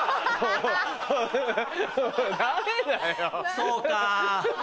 そうか。